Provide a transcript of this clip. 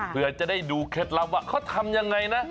เพื่อจะได้ดูเคล็ดลับว่าเขาทำยังไงนะ